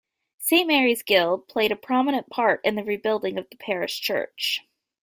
Saint Mary's Guild played a prominent part in the rebuilding of the parish church.